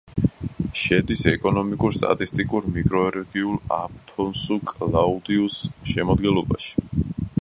შედის ეკონომიკურ-სტატისტიკურ მიკრორეგიონ აფონსუ-კლაუდიუს შემადგენლობაში.